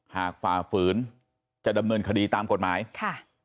ฝ่าฝืนจะดำเนินคดีตามกฎหมายค่ะ